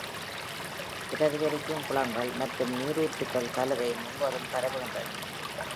பிரதிபலிக்கும் குளங்கள் மற்றும் நீரூற்றுகள் கலவை முழுவதும் பரவுகின்றன.